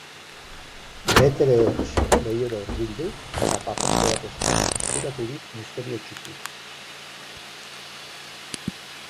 Betteredge leihora hurbildu, eta papertxo bat eskuratu dit, misteriotsuki.